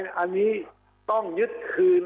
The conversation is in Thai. ถ้าเชิดตกเป็นของแผ่นดิน